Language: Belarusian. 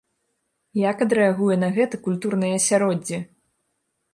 Як адрэагуе на гэта культурнае асяроддзе?